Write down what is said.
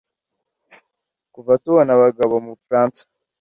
kuva tubona abagabo mubufaransa